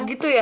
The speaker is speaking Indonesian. oh gitu ya